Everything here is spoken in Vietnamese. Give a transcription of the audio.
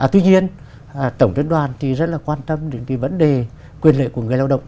tuy nhiên tổng liên đoàn thì rất là quan tâm đến cái vấn đề quyền lợi của người lao động